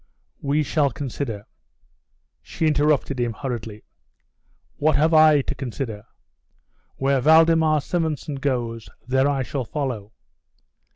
We shall consider " She interrupted him hurriedly. "What have I to consider? Where Valdemar Simonson goes, there I shall follow."